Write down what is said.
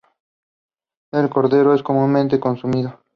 El cordero es comúnmente consumido.